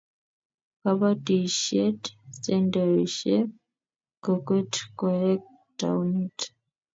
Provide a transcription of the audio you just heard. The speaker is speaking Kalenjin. kabatishiet sendeoshek kokwet koek taunit